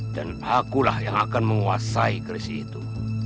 dan akulah yang akan menguasai kris itu